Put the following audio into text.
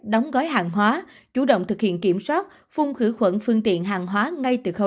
đóng gói hàng hóa chủ động thực hiện kiểm soát phun khử khuẩn phương tiện hàng hóa ngay từ khâu